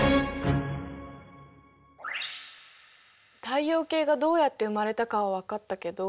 太陽系がどうやって生まれたかは分かったけど。